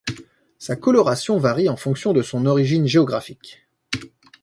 Sa coloration varie en fonction de son origine géographique.